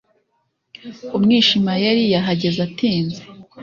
Umwishimayeli yahageze atinze